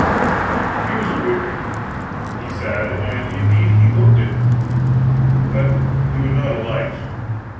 He was aweary, he said, and indeed he looked it; but he would not alight.